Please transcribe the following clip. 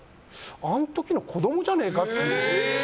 あの時の子供じゃねえかって。